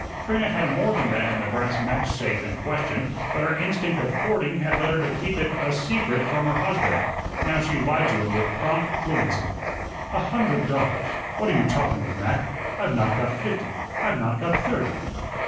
Trina had more than that in the brass match safe in question, but her instinct of hoarding had led her to keep it a secret from her husband. Now she lied to him with prompt fluency. "A hundred dollars! What are you talking of, Mac? I've not got fifty. I've not got THIRTY."